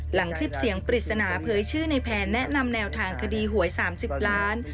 คลิปเสียงปริศนาเผยชื่อในแผนแนะนำแนวทางคดีหวย๓๐ล้าน